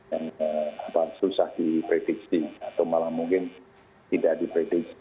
yang susah diprediksi atau malah mungkin tidak diprediksi